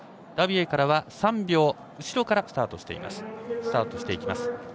ダビエから３秒後ろからスタートしていきます。